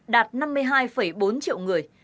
đạt năm mươi hai bốn triệu người